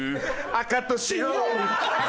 赤と白！」